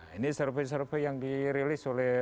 ini survei survei yang dirilis oleh